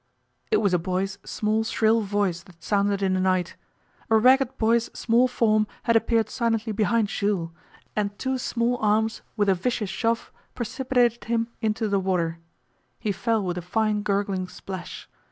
It was a boy's small shrill voice that sounded in the night. A ragged boy's small form had appeared silently behind Jules, and two small arms with a vicious shove precipitated him into the water. He fell with a fine gurgling splash.